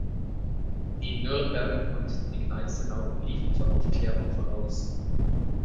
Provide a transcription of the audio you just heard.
Die "Nürnberg" und die "Gneisenau" liefen zur Aufklärung voraus.